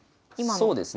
そうですね。